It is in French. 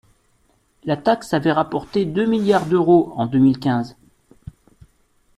La taxe avait rapporté deux milliards d’euros en deux mille quinze.